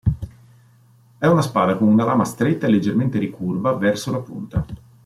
È una spada con una lama stretta e leggermente ricurva verso la punta.